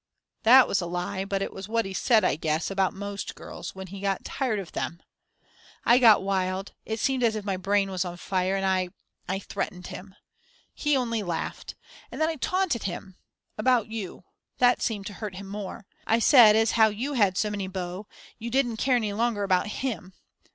That was a lie, but it was what he said, I guess, about most girls when he got tired of them. I got wild, it seemed as if my brain was on fire, and I I threatened him. He only laughed. And then I taunted him about you; that seemed to hurt him more. I said as how you had so many beaux, you didn't care any longer about him.